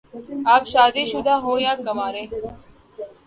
آپ شادی شدہ ہو یا کنوارہ؟